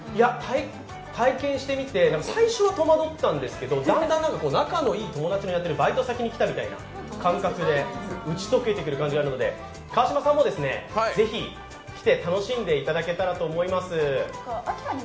体験してみて、最初は戸惑ったんですけど、だんだん仲のいい友達のバイト先に来たみたいな感覚、打ち解けてくる感じがあるので川島さんも是非、来て楽しんでもらいたいです。